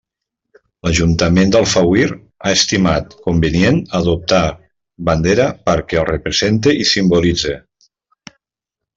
L'Ajuntament d'Alfauir ha estimat convenient adoptar bandera perquè el represente i simbolitze.